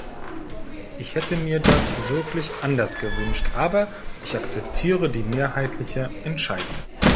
Ich hätte mir das wirklich anders gewünscht, aber ich akzeptiere die mehrheitliche Entscheidung.